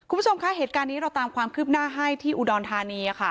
คุณผู้ชมคะเหตุการณ์นี้เราตามความคืบหน้าให้ที่อุดรธานีค่ะ